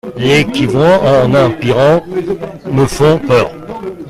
les qui vont en empirant me font peur.